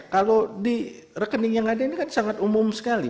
kalau di rekening yang ada ini kan sangat umum sekali